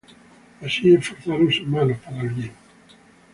Así esforzaron sus manos para bien.